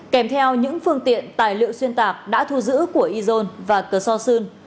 kèm theo những phương tiện tài liệu xuyên tạc đã thu giữ của ezon và cờ so sơn